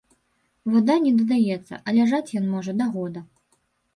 Вада не дадаецца, а ляжаць ён можа да года.